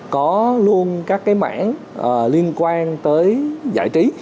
có luôn các cái mảng liên quan tới giải trí